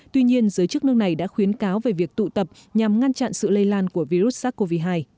tuy nhiên giới chức nước này đã khuyến cáo về việc tụ tập nhằm ngăn chặn sự lây lan của virus sars cov hai